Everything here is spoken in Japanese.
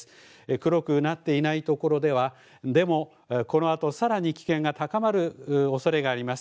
黒くなっていない所でも、このあとさらに危険が高まるおそれがあります。